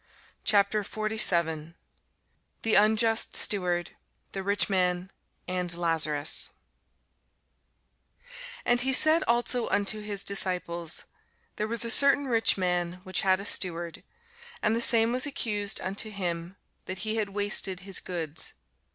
CHAPTER 47 THE UNJUST STEWARD, THE RICH MAN, AND LAZARUS [Sidenote: St. Luke 16] AND he said also unto his disciples, There was a certain rich man, which had a steward; and the same was accused unto him that he had wasted his goods.